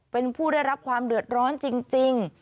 เป็นผู้ได้รับความเดือดร้อนจริง